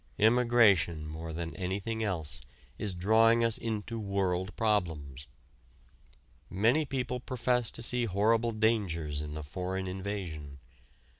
Immigration more than anything else is drawing us into world problems. Many people profess to see horrible dangers in the foreign invasion.